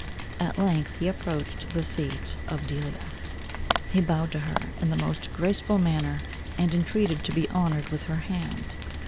At length he approached the seat of Delia. He bowed to her in the most graceful manner, and intreated to be honoured with her hand.